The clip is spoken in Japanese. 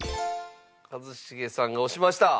一茂さんが押しました。